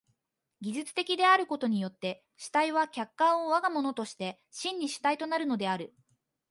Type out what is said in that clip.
技術的であることによって主体は客観を我が物として真に主体となるのである。